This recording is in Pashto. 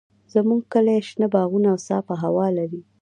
زموږ کلی شنه باغونه او صافه هوا لري.